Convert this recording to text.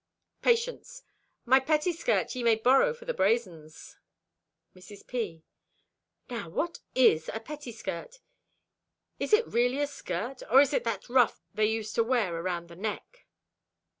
Patience.—"My pettieskirt ye may borrow for the brazens." Mrs. P.—"Now, what is a pettieskirt? Is it really a skirt or is it that ruff they used to wear around the neck?"